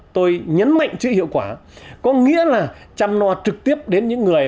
tôi nhấn mạnh chữ hiệu quả có nghĩa là chăm lo trực tiếp đến những người